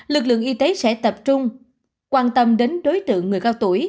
lực lượng y tế sẽ tập trung quan tâm đến đối tượng người cao tuổi